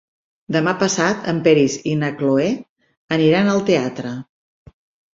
Demà passat en Peris i na Cloè aniran al teatre.